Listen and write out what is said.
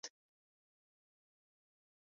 A souvenir shop is at the back of the annex.